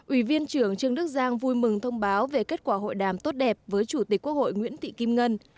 ủy viên trưởng trương đức giang vui mừng thông báo về kết quả hội đàm tốt đẹp với chủ tịch quốc hội nguyễn thị kim ngân